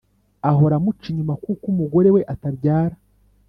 ahora amuca inyuma kuko umugore we atabyara